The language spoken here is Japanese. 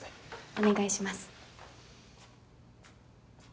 お願いします。